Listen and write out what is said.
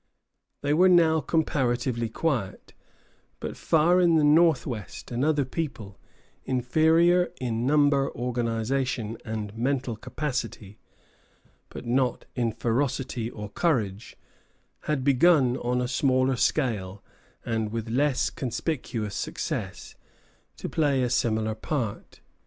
They were now comparatively quiet; but far in the Northwest, another people, inferior in number, organization, and mental capacity, but not in ferocity or courage, had begun on a smaller scale, and with less conspicuous success, to play a similar part.